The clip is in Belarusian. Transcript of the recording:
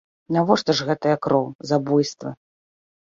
Навошта ж гэтая кроў, забойствы?